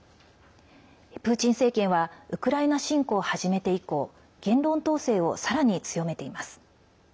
プーチン政権はウクライナ侵攻を始めて以降言論統制をさらに強めています。